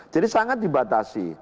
jadi sangat dibatasi